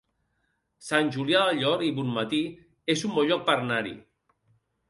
Sant Julià del Llor i Bonmatí es un bon lloc per anar-hi